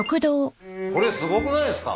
これすごくないですか？